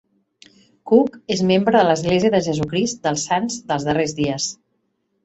Cook és membre de l'Església de Jesucrist dels Sants dels Darrers Dies.